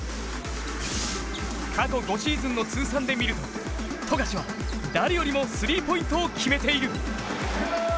過去５シーズンの通算で見ると富樫は誰よりもスリーポイントを決めている。